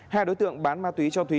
hai đối tượng bán ma túy cho thúy